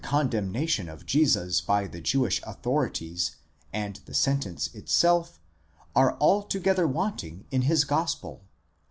condemnation of Jesus by the Jewish authorities, and the sentence itself, are altogether wanting in his gospel.